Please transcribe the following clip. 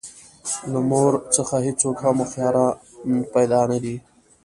له مور څخه هېڅوک هم هوښیاران پیدا نه دي.